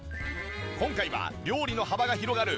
今回は料理の幅が広がる